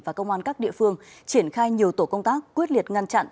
và công an các địa phương triển khai nhiều tổ công tác quyết liệt ngăn chặn